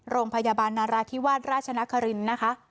โรงพยาบาลนาราธิวาสราชนครินทร์นะคะ